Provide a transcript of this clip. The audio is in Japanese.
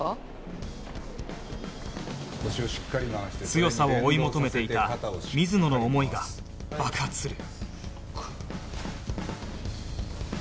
強さを追い求めていた水野の思いが爆発する